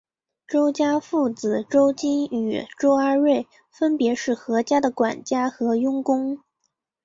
周家父子周金与周阿瑞分别是何家的管家和佣工。